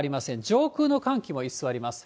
上空の寒気も居座ります。